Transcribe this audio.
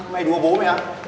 mày đùa bố mày à